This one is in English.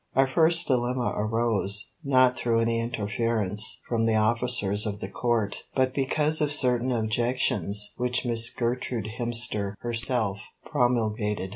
Our first dilemma arose, not through any interference from the officers of the Court, but because of certain objections which Miss Gertrude Hemster herself promulgated.